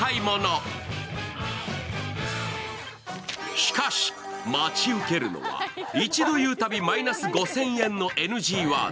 しかし、待ち受けるのは、一度言うたびマイナス５０００円のＮＧワード。